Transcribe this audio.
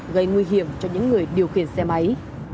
gây nguy hiểm cho những người điều khiển xe máy